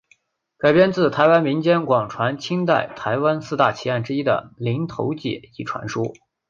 改编自台湾民间广传清代台湾四大奇案之一的林投姐一传说。